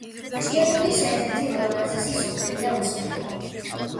ჭიათურის ერთ-ერთი ულამაზესი სოფელია უსახელო